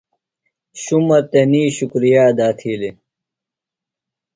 شُمہ تنی شُکریہ ادا تھِیلیۡ۔